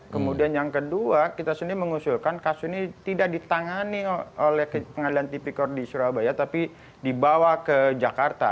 kemudian yang kedua kita sendiri mengusulkan kasus ini tidak ditangani oleh pengadilan tipikor di surabaya tapi dibawa ke jakarta